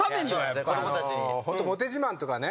ホントモテ自慢とかね